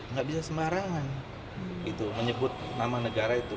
nggak bisa sembarangan menyebut nama negara itu